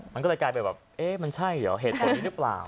มันก็เลยกลายเป็นแบบเอ๊ะมันใช่เหรอเหตุผลนี้หรือเปล่า